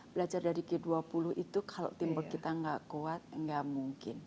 belajar dari ke dua puluh itu kalau teamwork kita gak kuat gak mungkin